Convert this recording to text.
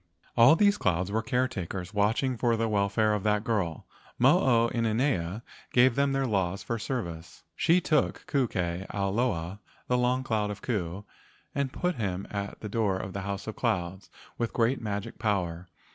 All these clouds were caretakers watching for the welfare of that girl. Mo o inanea gave them their laws for service. THE MAID OF THE GOLDEN CLOUD 129 She took Ku ke ao loa (the long cloud of Ku) and put him at the door of the house of clouds, with great magic power.